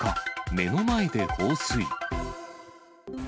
目の前で放水。